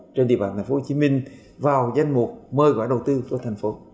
trên địa bàn thành phố hồ chí minh vào danh mục mời gọi đầu tư vào thành phố